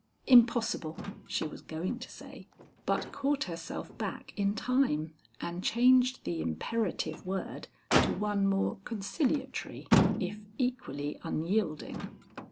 "Impossible," she was going to say, but caught herself back in time and changed the imperative word to one more conciliatory if equally unyielding.